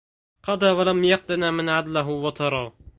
قضى ولم يقضنا من عدله وطرا